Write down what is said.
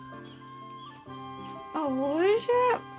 あっおいしい。